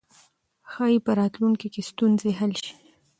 ښايي په راتلونکي کې ستونزې حل شي.